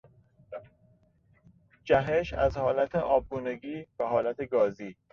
جهش از حالت آبگونگی به حالت گازی